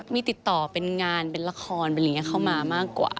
มีติดต่อเป็นงานเป็นละครเป็นอะไรอย่างนี้เข้ามามากกว่า